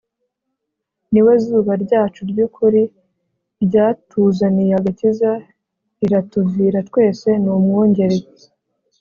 Ni we zuba ryacu ry'ukuri, Rya tuzaniye agakiza, Riratuvira twese. N'Umwungeri